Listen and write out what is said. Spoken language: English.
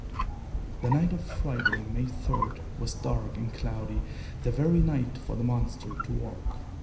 The night of Friday, May 3rd, was dark and cloudy the very night for the monster to walk.